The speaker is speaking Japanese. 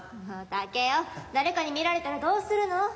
もう岳夫誰かに見られたらどうするの？